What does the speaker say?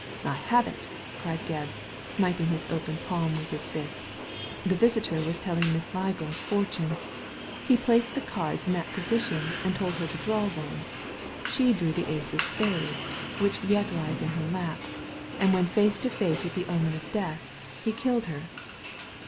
I have it !" cried Gebb, smiting his open palm with his fist, "the visitor was telling Miss Ligram's fortune. He placed the cards in that position and told her to draw one. She drew the ace of spades, which yet lies In her lap, and when face to face with the omen of death he killed her."